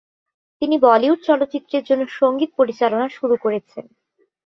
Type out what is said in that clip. তিনি বলিউড চলচ্চিত্রের জন্য সঙ্গীত পরিচালনা শুরু করেছেন।